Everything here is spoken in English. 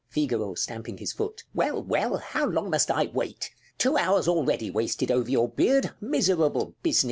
Figaro [stamping his foot] Well, well! How long must I wait? Two hours wasted already over your beard Miserable business!